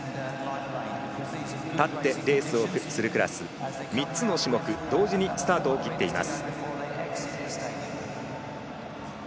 立ってレースをするクラス３つの種目、同時にスタートを切っています。